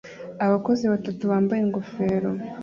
Abakozi batatu bambaye ingofero